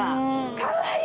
かわいい！